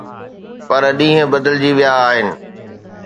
پر ڏينهن بدلجي ويا آهن.